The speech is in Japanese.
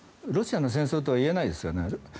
ロシアの戦争とは言えないですよね。